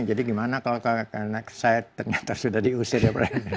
jadi gimana kalau ke next site ternyata sudah diusir ya